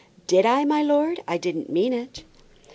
"Did I, my lord? I didn't mean it."